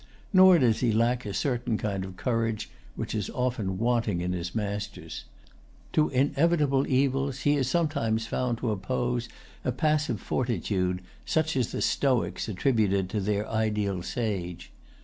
Nor does he lack a certain kind of courage which is often wanting to his masters. To inevitable evils he is sometimes found to oppose a passive fortitude, such as the Stoics attributed to their ideal sage.